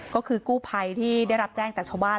ก็คือกู้ภัยที่ได้รับแจ้งจากชาวบ้าน